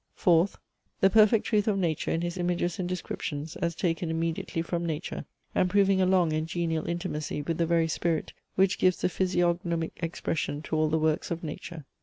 Fourth; the perfect truth of nature in his images and descriptions as taken immediately from nature, and proving a long and genial intimacy with the very spirit which gives the physiognomic expression to all the works of nature.